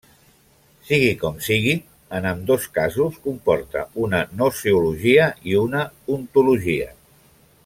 Sigui com sigui, en ambdós casos comporta una gnoseologia i una ontologia.